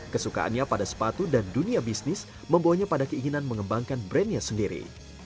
kesukaannya pada sepatu dan dunia bisnis membawanya pada keinginan mengembangkan brandnya sendiri